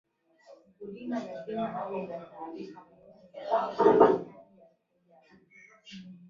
Mkulima lazima awe na taarifa muhimu ya mahitaji ya mteja wake